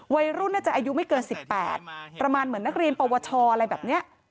วัยรุ่นน่าจะอายุไม่เกิน๑๘ประมาณเหมือนนักเรียนปวชอะไรแบบนี้